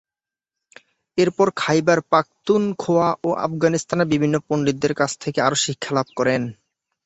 এরপর খাইবার পাখতুনখোয়া ও আফগানিস্তানের বিভিন্ন পণ্ডিতদের কাছ থেকে আরো শিক্ষা লাভ করেন।